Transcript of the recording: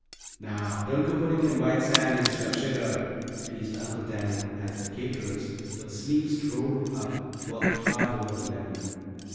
"Now, don't go putting in white sand instead of sugar," teased Uncle Daniel, as the "caterers," with sleeves rolled up, worked hard over the lemonade.